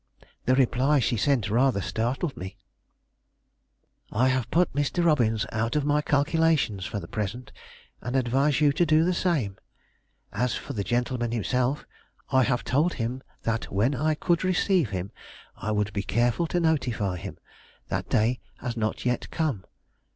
The reply she sent rather startled me. "I have put Mr. Robbins out of my calculations for the present, and advise you to do the same. As for the gentleman himself, I have told him that when I could receive him I would be careful to notify him. That day has not yet come.